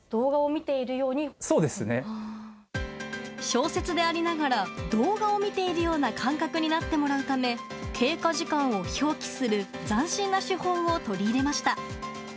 小説でありながら動画を見ているような感覚になってもらうため経過時間を表記する斬新な手法を取り入れました。